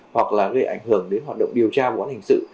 hoặc là gây ảnh hưởng đến hoạt động điều tra của quán hình sự